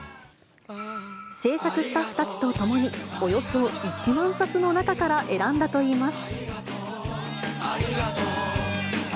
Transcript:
制作スタッフたちと共におよそ１万冊の中から選んだといいます。